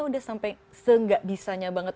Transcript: udah sampai se gak bisanya banget